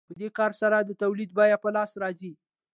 په دې کار سره د تولید بیه په لاس راځي